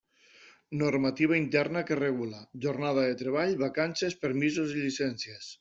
Normativa interna que regula: jornada de treball, vacances, permisos i llicències.